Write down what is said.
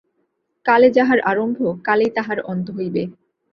কালে যাহার আরম্ভ, কালেই তাহার অন্ত হইবে।